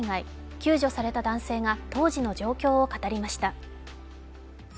救助された男性が当時の状況を語りました。